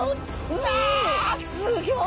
うわあすギョい。